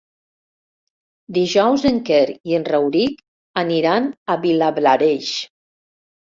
Dijous en Quer i en Rauric aniran a Vilablareix.